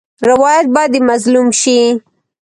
روایت باید د مظلوم شي.